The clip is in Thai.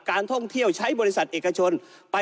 การท่องเที่ยวใช้บริษัทเอกชน